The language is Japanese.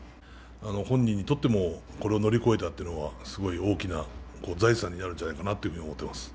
本人にとってもこれを乗り越えたということは大きな財産になるんじゃないかなと思っています。